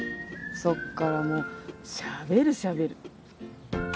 そっからもうしゃべるしゃべる。